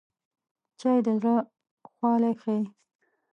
چای د زړه خواله ښيي